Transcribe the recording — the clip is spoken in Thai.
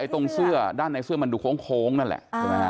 แต่ตรงเสื้อด้านในเสื้อมันดูโค้งนั่นแหละ